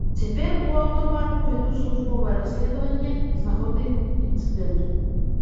Цяпер у аўтапарку вядуць службовае расследаванне з нагоды інцыдэнту.